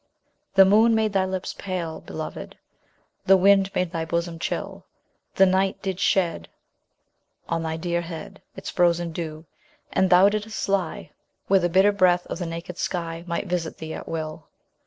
The moon made thy lips pale, beloved ; The wind made thy bosom chill : The night did shed On thy dear head Its frozen dew, and thou didst lie Where the bitter breath of the naked sky Might visit thee at will.